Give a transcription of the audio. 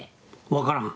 分からん。